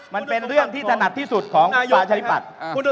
มันเป็นเรื่องที่ถนัดที่สุดของประชาธิปัตย์